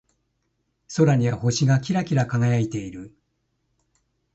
空には星がキラキラ輝いている。